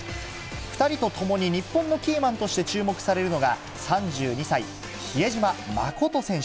２人とともに日本のキーマンとして注目されるのが、３２歳、比江島慎選手。